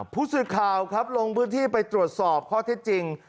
ผู้สื่อข่าวครับลงพื้นที่ไปตรวจสอบข้อเท็จจริง